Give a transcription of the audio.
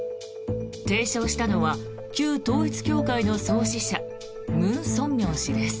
提唱したのは旧統一教会の創始者ムン・ソンミョン氏です。